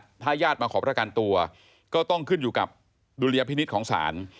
ถ้าญาติมาขอประกันตัวก็ต้องขึ้นอยู่กับดุลยพินิษฐ์ของศาล